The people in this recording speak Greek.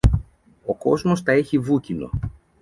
Ο κόσμος τα έχει βούκινο.